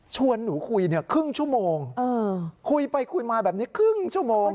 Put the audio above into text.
หนูคุยครึ่งชั่วโมงคุยไปคุยมาแบบนี้ครึ่งชั่วโมง